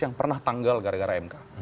yang pernah tanggal gara gara mk